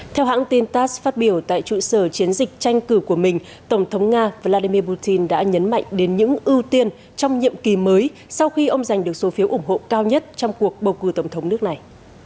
theo hãng tin tass phát biểu tại trụ sở chiến dịch tranh cử của mình tổng thống nga vladimir putin đã nhấn mạnh đến những ưu tiên trong nhiệm kỳ mới sau khi ông giành được số phiếu ủng hộ cao nhất trong cuộc bầu cử tổng thống nước này